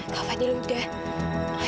kak fadil udah